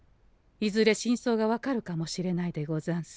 いずれ真相が分かるかもしれないでござんす。